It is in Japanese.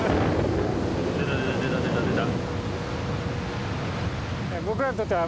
出た出た出た出た出た。